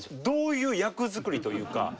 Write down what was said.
どういう役作りというか。